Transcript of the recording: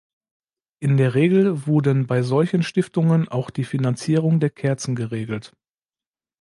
In der Regel wurden bei solchen Stiftungen auch die Finanzierung der Kerzen geregelt.